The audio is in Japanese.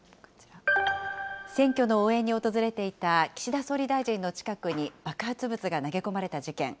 選挙の応援に訪れていた岸田総理大臣の近くに爆発物が投げ込まれた事件。